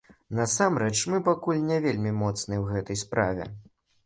Насамрэч, мы пакуль не вельмі моцныя ў гэтай справе.